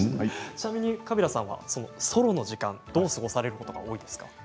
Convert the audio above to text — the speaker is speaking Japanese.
カビラさんはソロの時間どう過ごされることが多いですか。